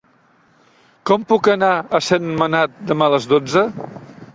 Com puc anar a Sentmenat demà a les dotze?